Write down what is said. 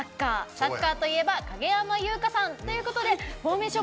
サッカーといえば、影山優佳さんということでフォーメーション